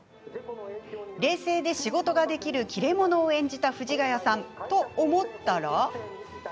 冷静で仕事ができる切れ者を演じた藤ヶ谷さんと思ったら。